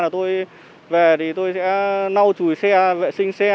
tôi về tôi sẽ nâu chùi xe vệ sinh xe